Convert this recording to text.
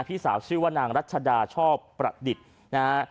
พี่สาวชื่อว่านางรัชดาชอบประดิษฐ์นะฮะ